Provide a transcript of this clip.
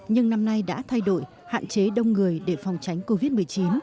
nhưng năm nay đã thay đổi hạn chế đông người để phòng tránh covid một mươi chín